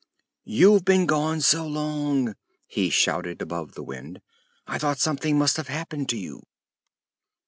"You've been gone so long," he shouted above the wind, "I thought something must have happened to you."